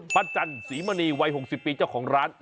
จันศรีมณีวัย๖๐ปีเจ้าของร้าน